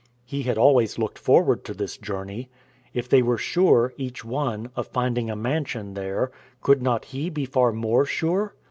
He had always looked forward to this journey. If they were sure, each one, of finding a mansion there, could not he be far more sure?